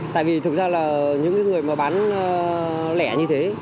tại vì thực ra là những người mà bán lẻ như thế